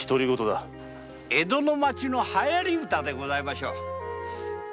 江戸の町のはやり歌でしょう。